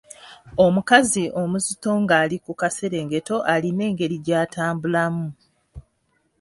Omukazi omuzito ng’ali ku kaserengeto alina engeri gy’atambulamu.